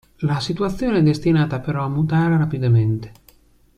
La situazione è destinata però a mutare rapidamente.